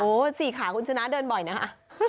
โอ้โหสี่ขาคุณชนะเดินบ่อยนะคะ